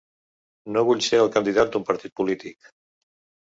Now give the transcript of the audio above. No vull ser el candidat d’un partit polític.